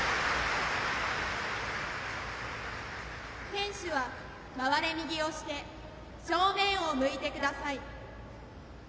選手は回れ右をして正面を向いてください。